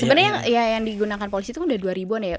sebenernya yang digunakan polisi itu udah dua ribu an ya